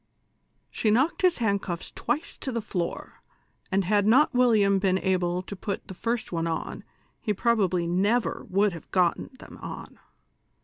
She knocked his handcuffs twice to the floor, and had not William been able to put the first one on, he probably never would have gotten them on.